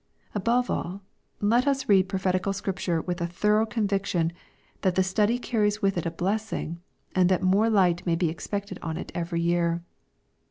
Above all, let us read prophetical Scripture with a thorough conviction that the study carries with it a blessing, and that more light may be expected on it every year.